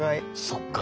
そっか。